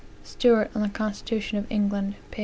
Stuart on the Constitution of england, p.